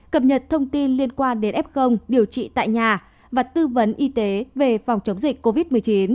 cập nhật thông tin liên quan đến f điều trị tại nhà và tư vấn y tế về phòng chống dịch covid một mươi chín